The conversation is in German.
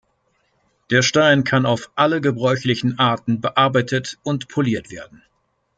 Der Stein kann auf alle gebräuchlichen Arten bearbeitet und poliert werden.